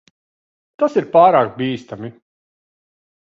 Tas ir pārāk bīstami.